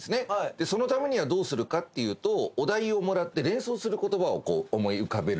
そのためにどうするかっていうとお題をもらって連想する言葉を思い浮かべる。